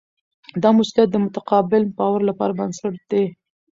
دا مسؤلیت د متقابل باور لپاره بنسټ دی.